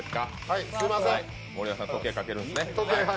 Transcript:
盛山さん、時計をかけるんですね。